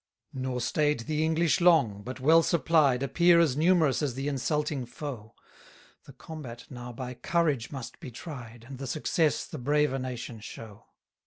170 Nor stay'd the English long; but, well supplied, Appear as numerous as the insulting foe: The combat now by courage must be tried, And the success the braver nation show.